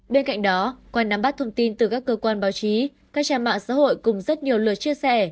bên cạnh đó qua nắm bắt thông tin từ các cơ quan báo chí các trang mạng xã hội cùng rất nhiều lời chia sẻ